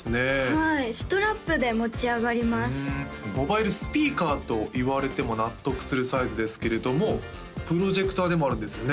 はいストラップで持ち上がりますモバイルスピーカーといわれても納得するサイズですけれどもプロジェクターでもあるんですよね？